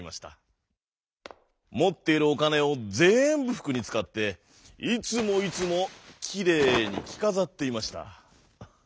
もっているおかねをぜんぶふくにつかっていつもいつもきれいにきかざっていました。